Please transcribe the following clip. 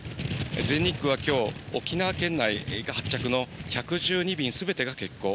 全日空はきょう、沖縄県内が発着の１１２便すべてが欠航。